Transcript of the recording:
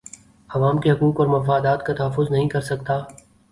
عوام کے حقوق اور مفادات کا تحفظ نہیں کر سکتا